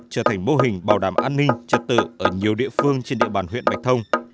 trở thành mô hình bảo đảm an ninh trật tự ở nhiều địa phương trên địa bàn huyện bạch thông